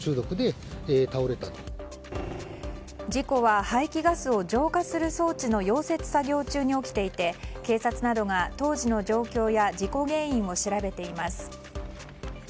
事故は排気ガスを浄化する装置の溶接作業中に起きていて警察などが当時の状況や事故原因を調べています。